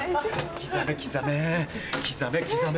刻め刻め！